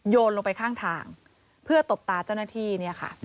โยนลงไปข้างทางเพื่อตบตาเจ้าหน้าที่เนี่ยค่ะ